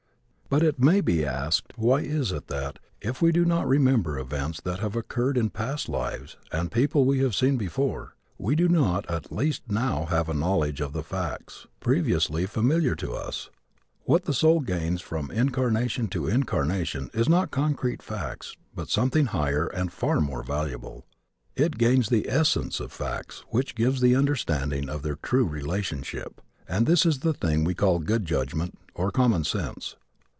But it may be asked why it is that, if we do not remember events that have occurred in past lives and people we have seen before, we do not at least now have a knowledge of the facts previously familiar to us. What the soul gains from incarnation to incarnation is not concrete facts but something higher and far more valuable. It gains the essence of facts which gives the understanding of their true relationship; and this is the thing we call good judgment or common sense.